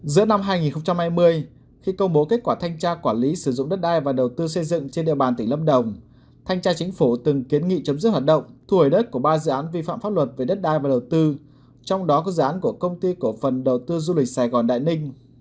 giữa năm hai nghìn hai mươi khi công bố kết quả thanh tra quản lý sử dụng đất đai và đầu tư xây dựng trên địa bàn tỉnh lâm đồng thanh tra chính phủ từng kiến nghị chấm dứt hoạt động thu hồi đất của ba dự án vi phạm pháp luật về đất đai và đầu tư trong đó có dự án của công ty cổ phần đầu tư du lịch sài gòn đại ninh